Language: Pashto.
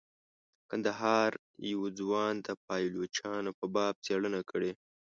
کندهار یوه ځوان د پایلوچانو په باب څیړنه کړې.